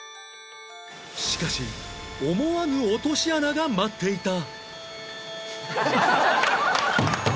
しかし思わぬ落とし穴が待っていた